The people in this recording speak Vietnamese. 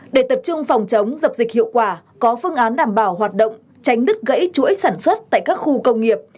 để tập trung phòng chống dập dịch hiệu quả có phương án đảm bảo hoạt động tránh đứt gãy chuỗi sản xuất tại các khu công nghiệp